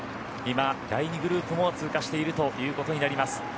今、第２グループも通過しているということになります。